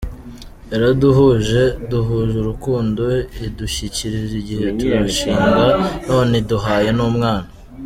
Yaraduhuje, duhuje urukundo, idushyigikira igihe twarushingaga, none iduhaye n'umwana.